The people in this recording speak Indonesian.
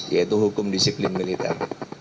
yaitu hukum disiplin militer